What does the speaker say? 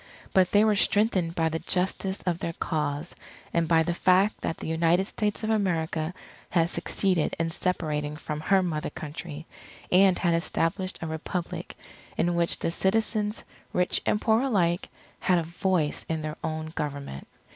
But they were strengthened by the justice of their cause, and by the fact that the United States of America had succeeded in separating from her Mother Country, and had established a Republic in which the citizens, rich and poor alike, had a voice in their own government.